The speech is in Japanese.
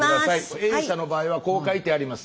Ａ社の場合はこう書いてあります。